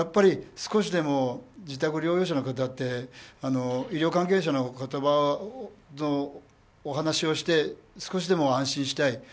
少しでも自宅療養者の方って医療関係者の方とお話をして少しでも安心したい。